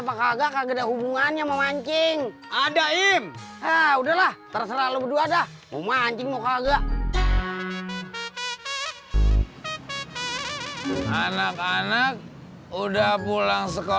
sekultur baji permisi lu ya iya iya iya makasih ya tak